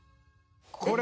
「これ！」